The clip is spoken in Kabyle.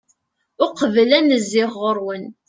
uqbel ad n-zziɣ ɣur-wen